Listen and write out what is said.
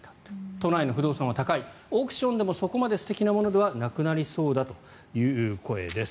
都内の不動産は高い億ションでもそこまで素敵なものではなくなりそうだという声です。